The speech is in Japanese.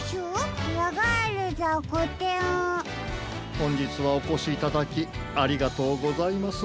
ほんじつはおこしいただきありがとうございます。